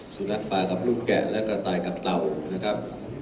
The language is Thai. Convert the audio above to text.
สุนัขปลากับลูกแกะและกระต่ายกับเต่านะครับ